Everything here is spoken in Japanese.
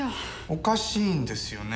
おかしいんですよね。